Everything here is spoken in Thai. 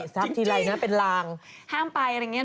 จริงอ๋อสักทีไรนะเป็นรางห้ามไปอะไรอย่างนี้